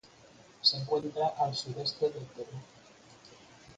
Se encuentra al sureste del Perú.